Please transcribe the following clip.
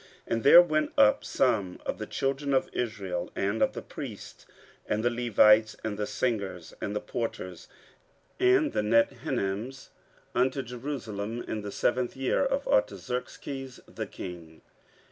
15:007:007 And there went up some of the children of Israel, and of the priests, and the Levites, and the singers, and the porters, and the Nethinims, unto Jerusalem, in the seventh year of Artaxerxes the king.